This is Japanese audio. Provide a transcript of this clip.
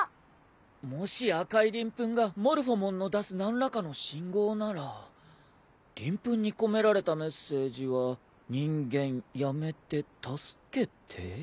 もし赤いりん粉がモルフォモンの出す何らかの信号ならりん粉に込められたメッセージは「人間やめて助けて」？